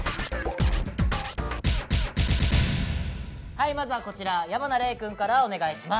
はいまずはこちら矢花黎くんからお願いします。